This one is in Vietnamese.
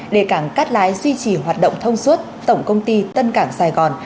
để cảng cát lái duy trì hoạt động thông suốt tổng công ty tân cảng sài gòn